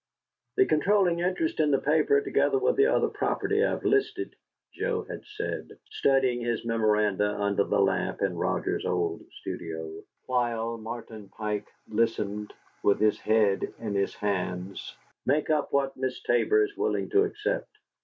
"The controlling interest in the paper, together with the other property I have listed," Joe had said, studying his memoranda under the lamp in Roger's old studio, while Martin Pike listened with his head in his hands, "make up what Miss Tabor is willing to accept.